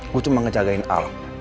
gue cuma ngejagain al